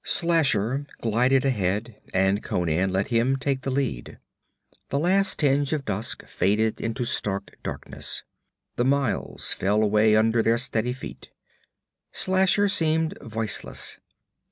Slasher glided ahead, and Conan let him take the lead. The last tinge of dusk faded into stark darkness. The miles fell away under their steady feet. Slasher seemed voiceless.